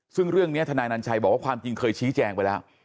ซึ่งเรื่องนี้ทนายนัญชัยบอกว่าความจริงเคยชี้แจงไปแล้ว